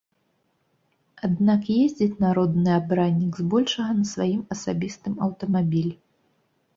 Аднак ездзіць народны абраннік збольшага на сваім асабістым аўтамабілі.